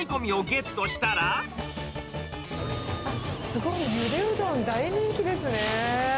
あっ、すごい、ゆでうどん、大人気ですね。